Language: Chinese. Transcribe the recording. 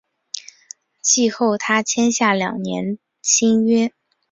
季后他签下两年新约。